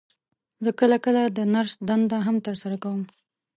زه کله کله د نرس دنده هم تر سره کوم.